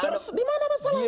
terus di mana masalahnya